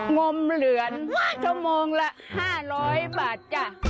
งมเหลือนชั่วโมงละ๕๐๐บาทจ้ะ